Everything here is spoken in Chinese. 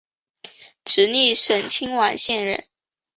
直隶省清苑县人。